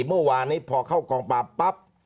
เมื่อวานนี้พอเข้ากองปราบปั๊บ